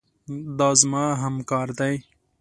دا زما همکار دی.